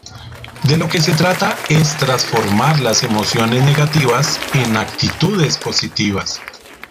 De lo que se trata es transformar las emociones negativas en actitudes positivas.